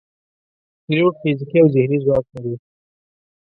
پیلوټ فزیکي او ذهني ځواک لري.